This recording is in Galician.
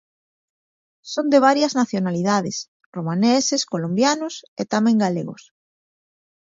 Son de varias nacionalidades, romaneses, colombianos e tamén galegos.